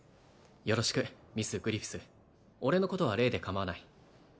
よろしくミスグリフィス俺のことはレイでかまわないあ